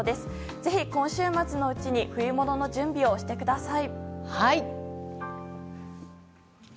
ぜひ今週末のうちに冬物の準備をしてください。